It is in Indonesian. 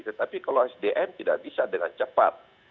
tetapi kalau sdm tidak bisa dengan cepat